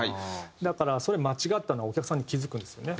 だからそれを間違ったのはお客さんも気付くんですよね。